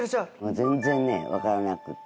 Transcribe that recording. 全然ねわからなくて。